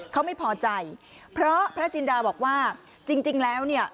เขาไม่พอใจเพราะพระจินดาบอกว่าจริงแล้วเนี่ย